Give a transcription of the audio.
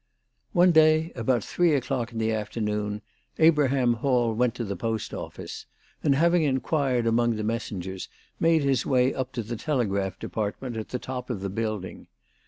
One day, about three o'clock in the afternoon, Abraham Hall went to the Post Office, and, having inquired among the messengers, made his way up to the telegraph department at the top of the building.